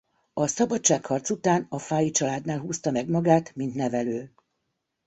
A szabadságharc után a Fáy családnál húzta meg magát mint nevelő.